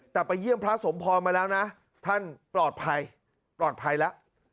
แต่ไปเยี่ยมพระสมพรมาแล้วนะท่านปลอดภัยปลอดภัยแล้ว